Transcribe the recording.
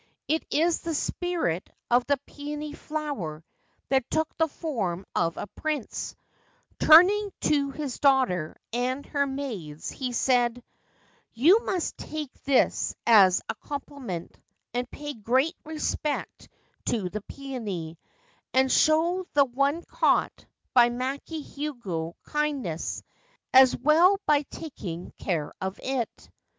It is the spirit of the peony flower that took the form of a prince/ Turning to his daughter and her maids, he said : c You must take this as a compliment, and pay great respect to the peony, and show the one caught by Maki Hiogo kindness as well by taking care of it.'